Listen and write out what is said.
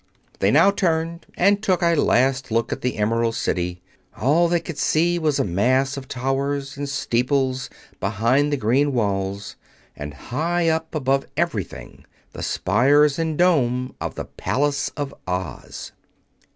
They now turned and took a last look at the Emerald City. All they could see was a mass of towers and steeples behind the green walls, and high up above everything the spires and dome of the Palace of Oz.